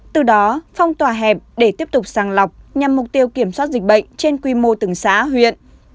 từ đó phong tỏa hẹp để tiếp tục sàng lọc nhằm mục tiêu kiểm soát dịch bệnh trên quy mô từng xã huyện